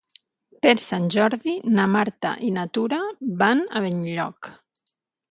Per Sant Jordi na Marta i na Tura van a Benlloc.